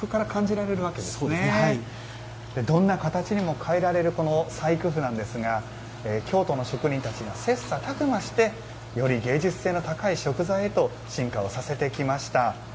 どんな形にも変えられる細工麩なんですが京都の職人たちが切磋琢磨してより芸術性の高い食材へと進化をさせてきました。